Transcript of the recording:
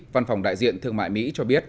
văn phòng đại diện thương mại mỹ cho biết